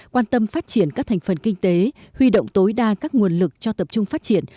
quan tâm phát triển các thành phần kinh tế huy động tối đa các nguồn lực cho tập trung phát triển